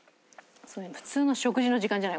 普通の食事の時間じゃない？